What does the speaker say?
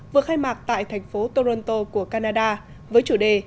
vừa khai mạc tại thành phố toronto của canada với chủ đề